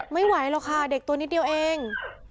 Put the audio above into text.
ไม่ไหวหรอกค่ะเด็กตัวนิดเดียวเอง